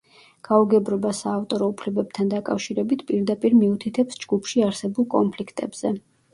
გაუგებრობა საავტორო უფლებებთან დაკავშირებით პირდაპირ მიუთითებს ჯგუფში არსებულ კონფლიქტებზე.